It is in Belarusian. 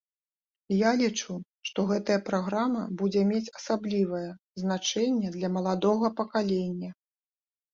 Я лічу, што гэтая праграма будзе мець асаблівае значэнне для маладога пакалення.